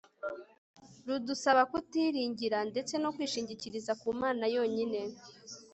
rudusaba kutiyiringira ndetse no kwishingikiriza ku mana yonyine